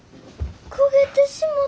焦げてしもた。